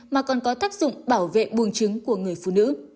mà còn có tác dụng bảo vệ buồn chứng của người phụ nữ